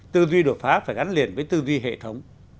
tư duy đột phá phải gắn liền với tư duy hệ thống